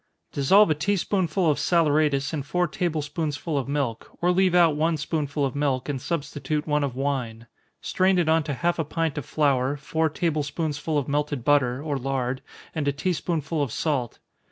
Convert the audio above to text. _ Dissolve a tea spoonful of saleratus in four table spoonsful of milk, or leave out one spoonful of milk, and substitute one of wine. Strain it on to half a pint of flour, four table spoonsful of melted butter, or lard, and a tea spoonful of salt.